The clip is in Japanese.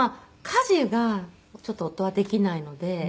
家事がちょっと夫はできないので。